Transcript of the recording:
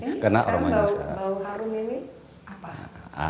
sekarang bau harum ini apa